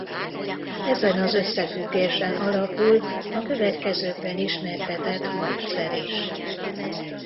Ezen az összefüggésen alapul a következőkben ismertetett módszer is.